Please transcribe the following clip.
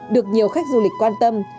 được nhiều khách du lịch quan tâm